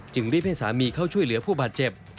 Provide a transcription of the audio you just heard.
รีบให้สามีเข้าช่วยเหลือผู้บาดเจ็บ